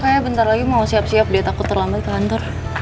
kakak ya bentar lagi mau siap siap liat aku terlambat ke kantor